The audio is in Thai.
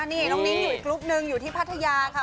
นี่น้องนิ้งอยู่อีกกรุ๊ปนึงอยู่ที่พัทยาค่ะ